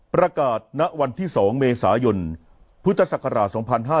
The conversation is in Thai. ประกาศณวันที่๒เมษายนพฤศกราช๒๕๖๓